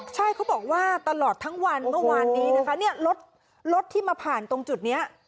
ใช่เขาบอกว่าตลอดทั้งวันเมื่อวานนี้นะคะเนี่ยรถรถที่มาผ่านตรงจุดนี้